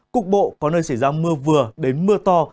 cục bộ có nơi xảy ra mưa vừa đến mưa to